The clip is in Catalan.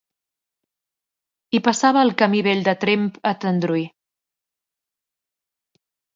Hi passava el camí vell de Tremp a Tendrui.